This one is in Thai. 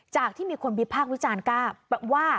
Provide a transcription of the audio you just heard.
ที่มีคนวิพากษ์วิจารณ์กล้าว่า